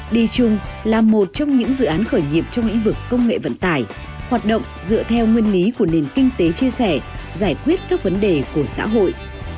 đi chung là một trong những dự án khởi nghiệp trong lĩnh vực công nghệ vận tải hoạt động dựa theo nguyên lý của nền kinh tế chia sẻ giải quyết các vấn đề của xã hội